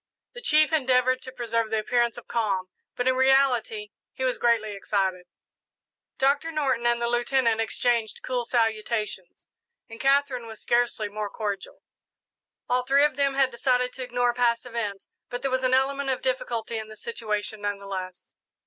The chief endeavoured to preserve the appearance of calm, but in reality he was greatly excited. Doctor Norton and the Lieutenant exchanged cool salutations, and Katherine was scarcely more cordial. All three of them had decided to ignore past events, but there was an element of difficulty in the situation, none the less.